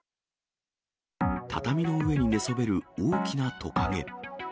畳の上に寝そべる大きなトカゲ。